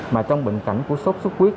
mà trong bệnh cảnh của sốt sốt huyết